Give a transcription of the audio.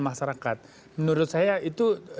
masyarakat menurut saya itu